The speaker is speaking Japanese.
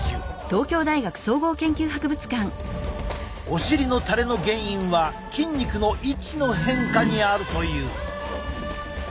お尻のたれの原因は筋肉の位置の変化にあるという。